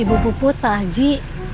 ibu puput pak haji